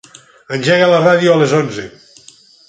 Engega la ràdio a les onze.